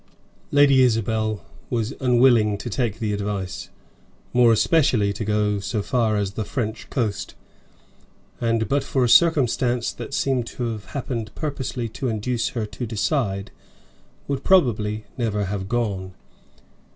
Lady Isabel was unwilling to take the advice; more especially to go so far as the "French coast." And but for a circumstance that seemed to have happened purposely to induce her to decide, would probably never have gone.